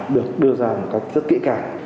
được đưa ra một cách rất kỹ càng